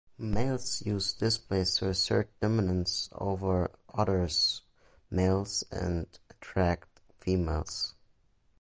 Males use displays to assert dominance over others males and attract females.